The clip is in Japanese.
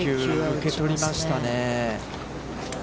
受け取りましたね。